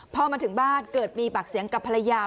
พอมาถึงบ้านเกิดมีปากเสียงกับภรรยา